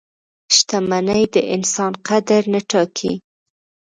• شتمني د انسان قدر نه ټاکي.